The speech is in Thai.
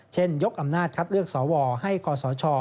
ยกอำนาจคัดเลือกสวให้คศ